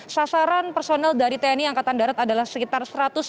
sasaran personel dari tni angkatan darat adalah sekitar satu ratus lima puluh